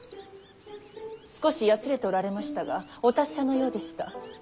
少しやつれておられましたがお達者のようでした。